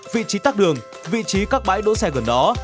vị trí tắt đường vị trí các bãi đỗ xe gần đó